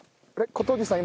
小峠さん